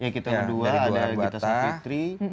ya kita dua ada gita sumpitri